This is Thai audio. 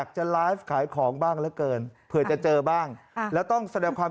คือใส่คำว่าแฟนได้เลยใช่ไหมคะ